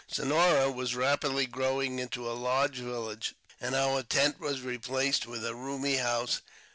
Sonora was rapidly growing into a large village, and our tent was replaced with a roomy house.